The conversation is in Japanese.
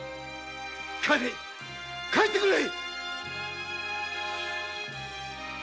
帰れ帰ってくれ。